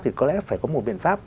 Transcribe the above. thì có lẽ phải có một biện pháp